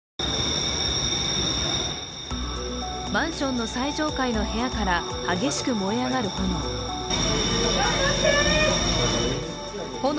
マンションの最上階の部屋から激しく燃え上がる炎。